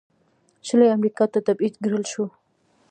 شلي امریکا ته تبعید کړل شول.